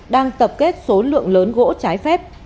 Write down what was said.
đang tập kết số lượng lớn gỗ trái phép